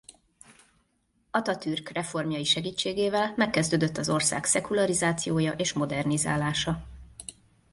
Atatürk reformjai segítségével megkezdődött az ország szekularizációja és modernizálása.